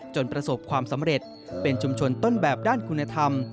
ประสบความสำเร็จเป็นชุมชนต้นแบบด้านคุณธรรม